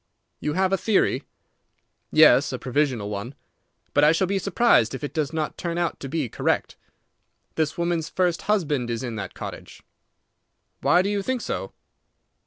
"You have a theory?" "Yes, a provisional one. But I shall be surprised if it does not turn out to be correct. This woman's first husband is in that cottage." "Why do you think so?"